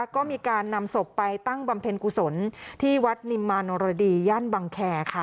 ก็มีการนำศพไปตั้งบำเพ็ญกุศลที่วัดนิมมาโนรดีย่านบังแคร์ค่ะ